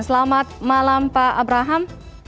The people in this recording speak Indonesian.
selamat malam pak abraham